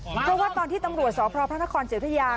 เพราะว่าตอนที่ตำรวจสพระขอร์นเจียวพระยา